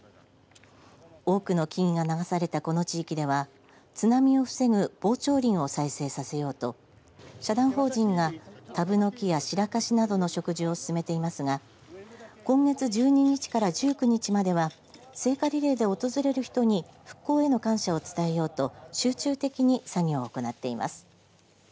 多くの木々が流されたこの地域では津波を防ぐ防潮林を再生させようと社団法人がタブノキやシラカシなどの植樹を進めていますが今月１２日から１９日までは聖火リレーで訪れる人に復興への感謝を伝えようと集中的に作業を行っています。